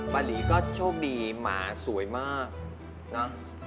บารีก็โชคดีหมาสวยมากนะ